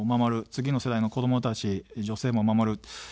次の世代の子どもたち、女性も守る。